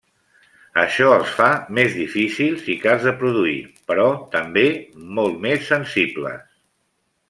Això els fa més difícils i cars de produir, però també molt més sensibles.